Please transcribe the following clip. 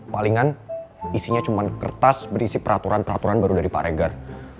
palingan isinya cuma kertas berisi peraturan peraturan baru dari pak regar